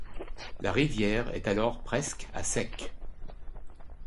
La rivière est alors presque à sec.